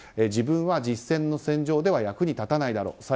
自分は実戦の戦場では役に立たないだろう。